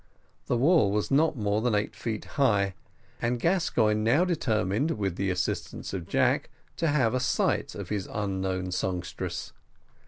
The wall was not more than eight feet high, and Gascoigne now determined, with the assistance of Jack, to have a sight of his unknown songstress.